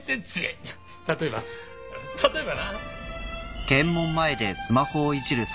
例えば例えばな。